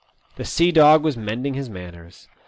The sea dog was mending his manners.